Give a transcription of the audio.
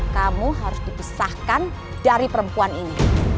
kamu harus dipisahkan dari perempuan ini